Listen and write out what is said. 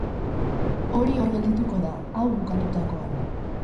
Hori hor geldituko da, hau bukatutakoan.